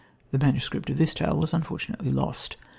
The manuscript of this tale was unfortunately lost.